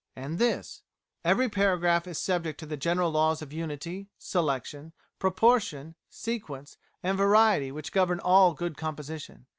And this, "Every paragraph is subject to the general laws of unity, selection, proportion, sequence, and variety which govern all good composition."